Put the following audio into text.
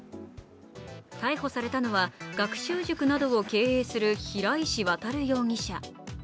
逮捕されたのは学習塾などを経営する平石渉容疑者。